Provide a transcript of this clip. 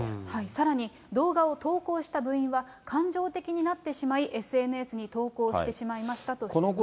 さらに、動画を投稿した部員は、感情的になってしまい、ＳＮＳに投稿してしまいましたとしています。